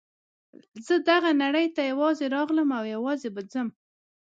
زه دغه نړۍ ته یوازې راغلم او یوازې به ځم.